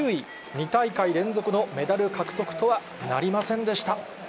２大会連続のメダル獲得とはなりませんでした。